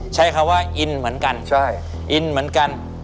ใช้คำว่าอินเหมือนกันอินเหมือนกัน